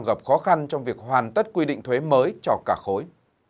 gặp khó khăn trong việc hoàn tất quy định thuế mới cho cả khối